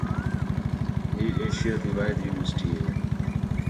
ہے ایشیاء تی واحد یونیورسٹی ہِے